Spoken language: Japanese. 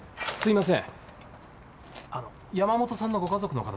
すいません。